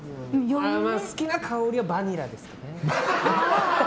好きな香りはバニラですかね。